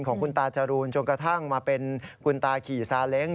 ของคุณตาจรูนจนกระทั่งมาเป็นคุณตาขี่ซาเล้ง